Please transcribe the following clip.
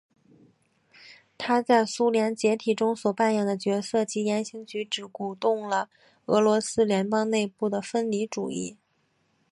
他在苏联解体中所扮演的角色及言行举动鼓励了俄罗斯联邦内部的分离主义。